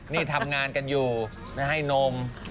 นี่ทำงานกันอยู่ให้นม